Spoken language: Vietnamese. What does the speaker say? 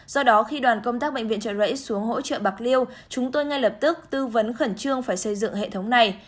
do đó khi đoàn công tác bệnh viện trợ rẫy xuống hỗ trợ bạc liêu chúng tôi ngay lập tức tư vấn khẩn trương phải xây dựng hệ thống này